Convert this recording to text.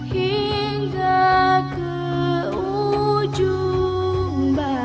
hingga ke ujung barat